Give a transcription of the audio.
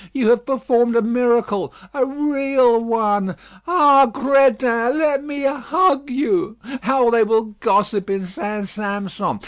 You have performed a miracle a real one. Ah! gredin! let me hug you. How they will gossip in St. Sampson.